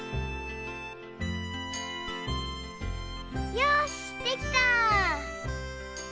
よしできた！